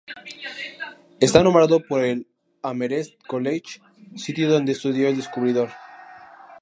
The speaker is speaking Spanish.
Está nombrado por el Amherst College, sitio donde estudió el descubridor.